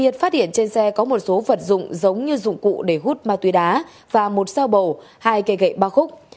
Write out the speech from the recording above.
trên xe có một số vật dụng giống như dụng cụ để hút ma túy đá và một sao bầu hai cây gậy ba khúc